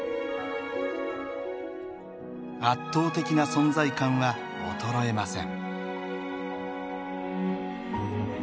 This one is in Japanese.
圧倒的な存在感は衰えません。